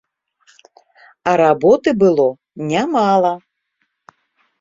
А работы было нямала.